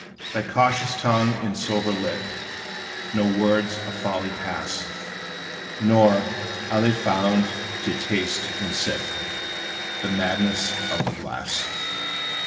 Thy cautious tongue and sober lip No words of folly pass, Nor, are they found to taste and sip The madness of the glass.